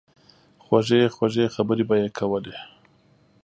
خوږې خوږې خبرې به ئې کولې